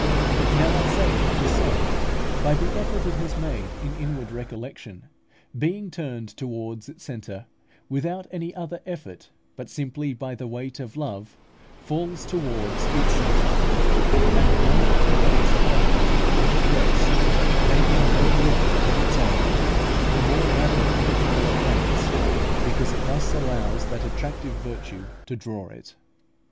Now I say that the soul, by the effort it has made in inward recollection, being turned towards its centre, without any other effort, but simply by the weight of love, falls towards its centre; and the more it remains quiet and at rest, making no movement of its own, the more rapidly it will advance, because it thus allows that attractive virtue to draw it.